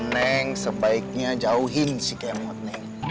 neng sebaiknya jauhin si kemot neng